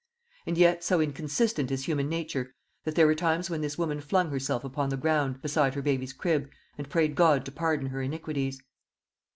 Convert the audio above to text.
And yet, so inconsistent is human nature, there were times when this woman flung herself upon the ground beside her baby's crib, and prayed God to pardon her iniquities.